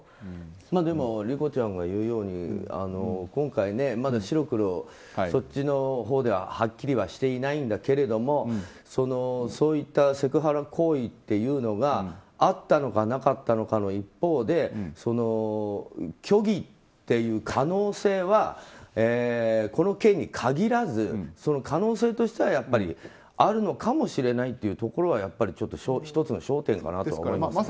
でも、理子ちゃんが言うように今回ねまだ白黒、そっちのほうでははっきりしていないけどそういったセクハラ行為というのがあったのか、なかったのかの一方で、虚偽っていう可能性はこの件に限らず可能性としてはあるのかもしれないというところは１つの焦点かなとは思います。